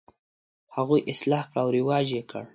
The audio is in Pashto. هغوی یې اصلاح کړه او رواج یې کړ.